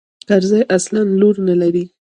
کرزى اصلاً لور نه لري.